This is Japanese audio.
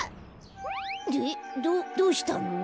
どどうしたの？